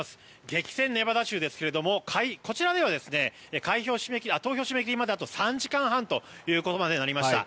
激戦、ネバダ州ですがこちらでは投票締め切りまであと３時間半ということになりました。